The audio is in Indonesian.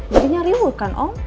jadinya riwuh kan om